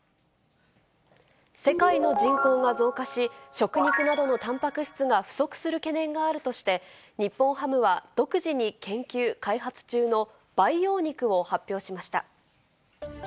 世界の人口が増加し、食肉などのたんぱく質が不足する懸念があるとして、日本ハムは、独自に研究・開発中の培養肉を発表しました。